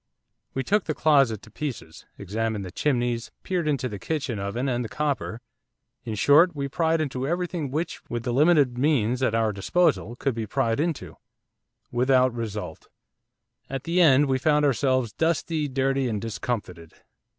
We took the closet to pieces; examined the chimneys; peered into the kitchen oven and the copper; in short, we pried into everything which, with the limited means at our disposal, could be pried into, without result. At the end we found ourselves dusty, dirty, and discomfited.